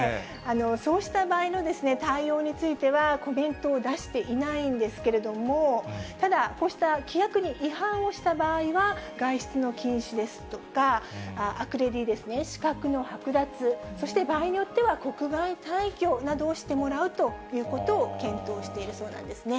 そうした場合の対応については、コメントを出していないんですけれども、ただ、こうした規約に違反をした場合は、外出の禁止ですとか、アクレディですね、資格の剥奪、そして場合によっては国外退去をしてもらうということを検討しているそうなんですね。